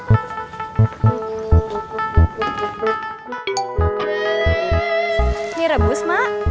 ini rebus mak